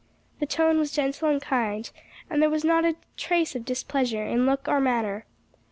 The tone was gentle and kind and there was not a trace of displeasure in look or manner.